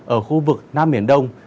ở khu vực nam biển đông